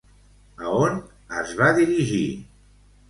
A on es va dirigir?